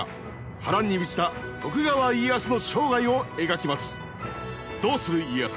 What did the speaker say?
波乱に満ちた徳川家康の生涯を描きます。